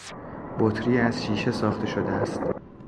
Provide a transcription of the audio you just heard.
بطری از شیشه ساخته شده است.